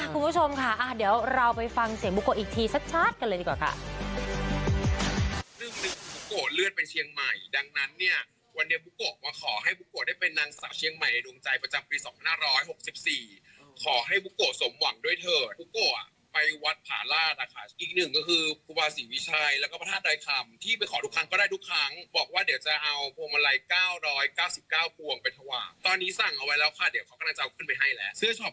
คุณผู้ชมค่ะเดี๋ยวเราไปฟังเสียงบุโกะอีกทีชัดกันเลยดีกว่าค่ะ